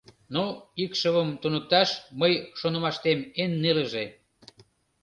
Ну, икшывым туныкташ, мый шонымаштем, эн нелыже.